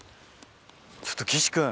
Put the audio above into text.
ちょっと岸君。